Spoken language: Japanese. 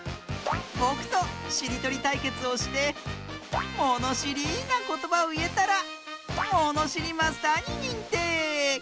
ぼくとしりとりたいけつをしてものしりなことばをいえたらものしりマスターににんてい！